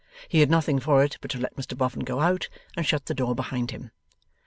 He had nothing for it but to let Mr Boffin go out and shut the door behind him.